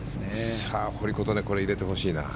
堀琴音、これ入れてほしいな。